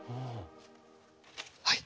はい。